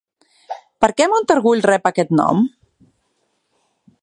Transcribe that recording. Per què Montargull rep aquest nom?